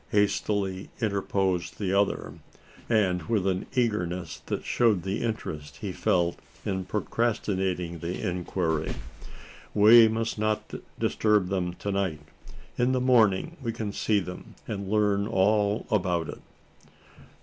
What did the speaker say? hastily interposed the other, and with an eagerness that showed the interest he felt in procrastinating the inquiry. "We must not disturb them to night. In the morning, we can see them, and learn all about it."